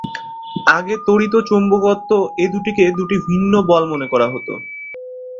আগে তড়িৎ ও চুম্বকত্ব এ দুটিকে দুটি ভিন্ন বল মনে করা হত।